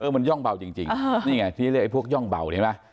มันย่องเบาจริงนี่ไงที่เรียกพวกย่องเบา